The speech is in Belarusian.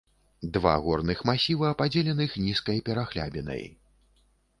Два горных масіва, падзеленых нізкай перахлябінай.